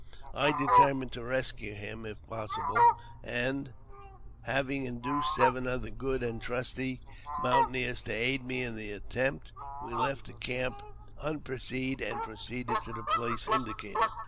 I determined to rescue him, if possible, and, hav ing induced seven other good and trusty mountaineers to aid me in the attempt, we left the camp unperceived, and pro ceeded to the place indicated.